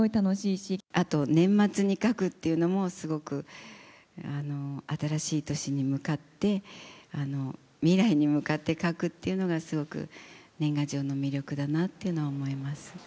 あと年末に書くっていうのも、すごく、新しい年に向かって、未来に向かって書くっていうのが、すごく年賀状の魅力だなっていうのは思います。